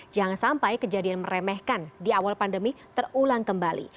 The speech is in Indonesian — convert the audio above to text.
jangan sampai kejadian meremehkan di awal pandemi terulang kembali